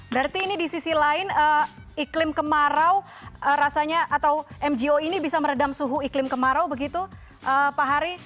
berarti ini di sisi lain iklim kemarau rasanya atau mgo ini bisa meredam suhu iklim kemarau begitu pak hari